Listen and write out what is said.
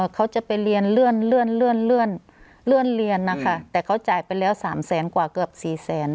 เขาจะไปเรียนเลื่อนเลื่อนเลื่อนเลื่อนเลื่อนเรียนนะคะแต่เขาจ่ายไปแล้วสามแสนกว่าเกือบสี่แสน